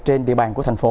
trên địa bàn của thành phố